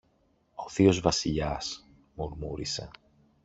Ο θείος Βασιλιάς, μουρμούρισε.